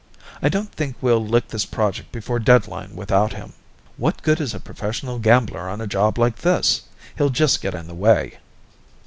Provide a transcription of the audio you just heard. I don't think we'll lick this project before deadline without him." "What good is a professional gambler on a job like this? He'll just get in the way."